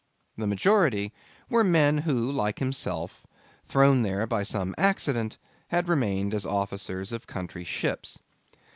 The majority were men who, like himself, thrown there by some accident, had remained as officers of country ships.